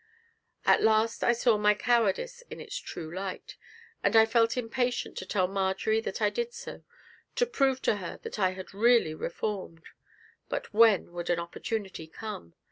At last I saw my cowardice in its true light, and felt impatient to tell Marjory that I did so, to prove to her that I had really reformed; but when would an opportunity come?